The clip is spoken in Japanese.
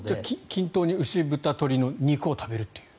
均等に牛、豚、鳥の肉を食べるという。